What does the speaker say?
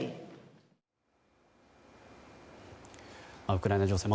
ウクライナ情勢